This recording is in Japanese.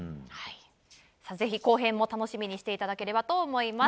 ぜひ後編も楽しみにしていただければと思います。